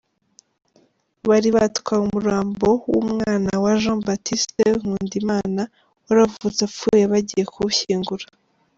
Bari batwaye umurambo w’umwana wa Jean Baptiste Nkundimana wari wavutse apfuye bagiye kuwushyingura.